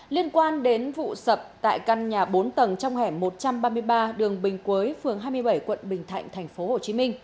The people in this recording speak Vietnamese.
liên quan đến vụ sập tại căn nhà bốn tầng trong hẻm một trăm ba mươi ba đường bình quế phường hai mươi bảy quận bình thạnh tp hcm